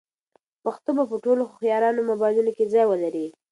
پښتو به په ټولو هوښیارانو موبایلونو کې ځای ولري.